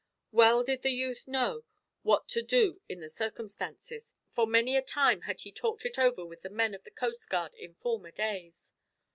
Well did the youth know what to do in the circumstances, for many a time had he talked it over with the men of the coastguard in former days.